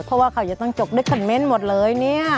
เพราะว่าเขาจะต้องจบด้วยคันเมนต์หมดเลยเนี่ย